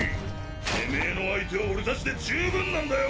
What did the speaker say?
てめぇの相手は俺たちで十分なんだよ！